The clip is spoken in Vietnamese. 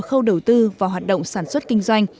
khâu đầu tư